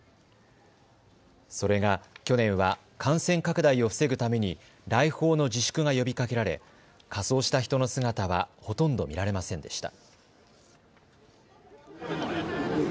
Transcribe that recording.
それが去年は感染拡大を防ぐために来訪の自粛が呼びかけられ、仮装した人の姿はほとんど見られませんでした。